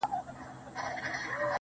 زما له زړه یې جوړه کړې خېلخانه ده~